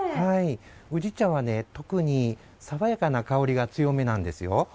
宇治茶は特に爽やかな香りが強めなんですよ。